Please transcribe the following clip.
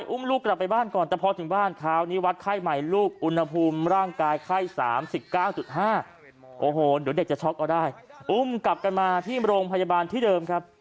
อุ้มกลับมาที่โรงพยาบาลที่เดิมครับ